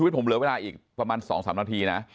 ผมเหลือเวลาอีกประมาณ๒๓นาทีนะ